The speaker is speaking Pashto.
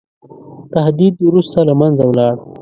تهدید وروسته له منځه ولاړ.